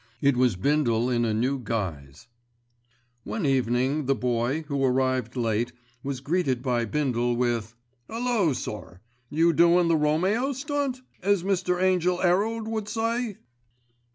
It was Bindle in a new guise. One evening the Boy, who arrived late, was greeted by Bindle with, "'Ullo! sir, you doin' the Romeo stunt? as Mr. Angell 'Erald would say."